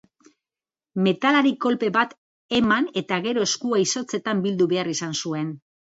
Metalari kolpe eman eta gero eskua izotzetan bildu behar izan zuen.